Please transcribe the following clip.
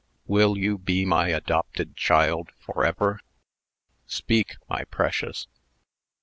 Will you be my adopted child forever? Speak, my precious!"